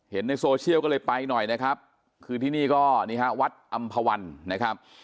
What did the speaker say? ในโซเชียลก็เลยไปหน่อยนะครับคือที่นี่ก็นี่ฮะวัดอำภาวันนะครับ